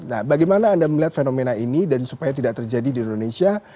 nah bagaimana anda melihat fenomena ini dan supaya tidak terjadi di indonesia